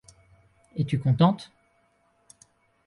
Es-tu contente ?